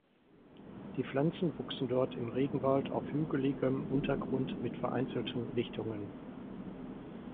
Die Pflanzen wuchsen dort im Regenwald auf hügeligem Untergrund mit vereinzelten Lichtungen.